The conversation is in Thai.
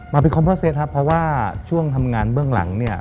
มาเป็นคอมโบ้เซ็ตครับเพราะว่าช่วงทำงานเบื้องหลัง